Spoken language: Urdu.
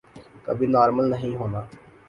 کبھی نارمل نہیں ہونا۔